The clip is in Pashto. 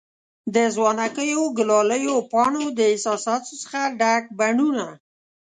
د ځوانکیو، ګلالیو پانو د احساساتو څخه ډک بڼوڼه